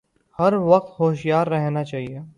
ہر وقت ہوشیار رہنا چاہیے